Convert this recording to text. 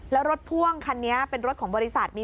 แล้วรถพ่วงคันนี้เป็นรถของบริษัทมี